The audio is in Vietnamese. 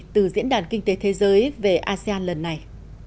từ diễn đàn kinh tế thế giới về asean lần này